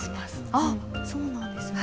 あっそうなんですね。